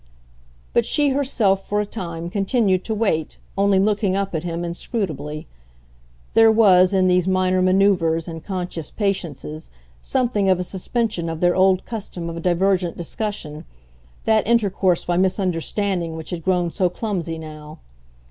But she herself, for a time, continued to wait, only looking up at him inscrutably. There was in these minor manoeuvres and conscious patiences something of a suspension of their old custom of divergent discussion, that intercourse by misunderstanding which had grown so clumsy now.